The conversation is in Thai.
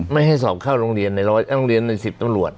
ไม่ให้สอบเข้าโรงเรียนใน๑๐ตัวรวจ